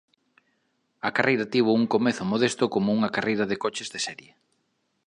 A carreira tivo un comezo modesto como unha carreira de coches de serie.